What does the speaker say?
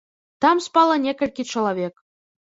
Там спала некалькі чалавек.